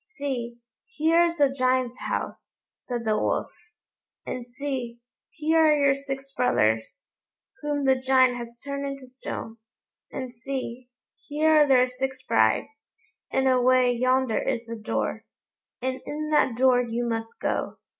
"See, here is the Giant's house," said the Wolf; "and see, here are your six brothers, whom the Giant has turned into stone; and see, here are their six brides, and away yonder is the door, and in that door you must go."